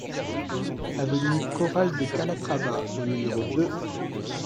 Avenue Corral de Calatrava au numéro deux